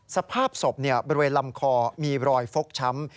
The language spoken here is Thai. สภาพศพบริเวณลำคอมีรอยฟกช้ำ